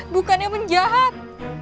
bukan yang menjahat